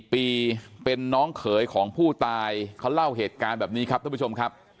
ปีเป็นน้องเขยของผู้ตายเขาเล่าเหตุการณ์แบบนี้ครับท่านผู้ชมครับ